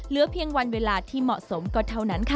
เหลือเพียงวันเวลาที่เหมาะสมก็เท่านั้นค่ะ